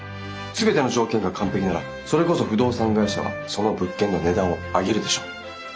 全ての条件が完璧ならそれこそ不動産会社はその物件の値段を上げるでしょう。